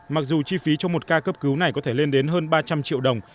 mặc dù chi phí cho một ca cấp cứu này có thể lên đến hơn ba trăm linh triệu đồng